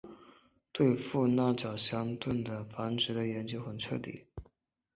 对富纳角箱鲀的繁殖的研究很彻底。